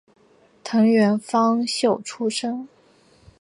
藤原芳秀出身。